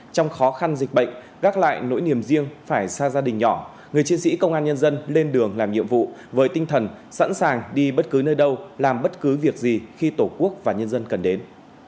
trong khó khăn dịch bệnh gác lại nỗi niềm riêng phải xa gia đình nhỏ người chiến sĩ công an nhân dân lên đường làm nhiệm vụ với tinh thần sẵn sàng đi bất cứ nơi đâu làm bất cứ việc gì khi tổ quốc và nhân dân cần đến